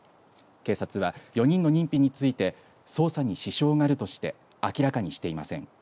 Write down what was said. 警察は、４人の認否について捜査に支障があるとして明らかにしていません。